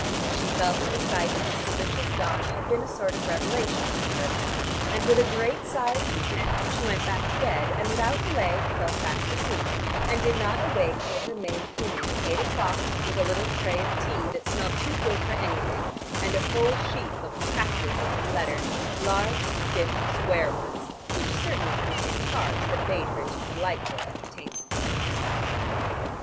She felt that the sight of this delicious dawn had been a sort of revelation to her. And with a great sigh of content, she went back to bed, and without delay fell fast asleep and did not awake till her maid came in at eight o'clock with a little tray of tea that smelt too good for anything, and a whole sheaf of attractive looking letters, large, stiff square ones, which certainly contained cards that bade her to delightful entertainments.